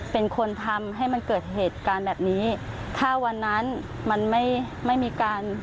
เป็นคนทำให้มันเกิดเหตุการณ์แบบนี้ถ้าวันนั้นมันไม่ไม่มีการ